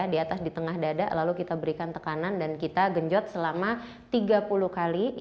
di atas di tengah dada lalu kita berikan tekanan dan kita genjot selama tiga puluh kali